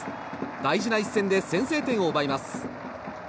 大事な一戦で先制点を奪います。